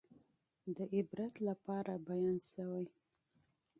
د عبرت لپاره بیان شوي.